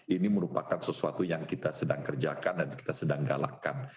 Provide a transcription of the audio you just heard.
ini merupakan sesuatu yang kita sedang kerjakan dan kita sedang galakkan